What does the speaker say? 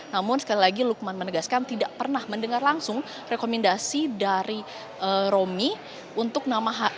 namun sekali lagi lukman menegaskan tidak pernah mendengar langsung rekomendasi dari romi untuk nama